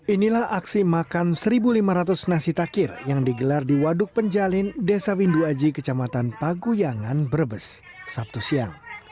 inilah aksi makan satu lima ratus nasi takir yang digelar di waduk penjalin desa windu aji kecamatan paguyangan brebes sabtu siang